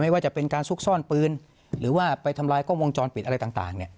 ว่าจะเป็นการซุกซ่อนปืนหรือว่าไปทำลายกล้องวงจรปิดอะไรต่าง